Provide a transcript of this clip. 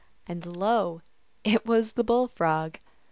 And lo ! it was the Bull Frog.